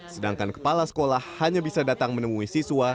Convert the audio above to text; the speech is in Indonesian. sedangkan kepala sekolah hanya bisa datang menemui siswa